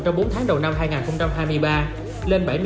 trong bốn tháng đầu năm hai nghìn hai mươi ba lên bảy mươi tám chín trăm linh